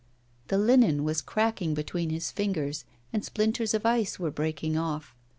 The linen was crackling between his fingers, and splinters of ice were breaking off.